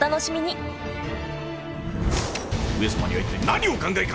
上様には一体何をお考えか。